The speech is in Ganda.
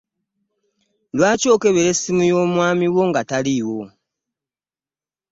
Lwaki okebera essimu y'omwami wo nga taliiwo?